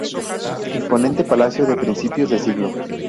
Imponente palacio de principios de siglo.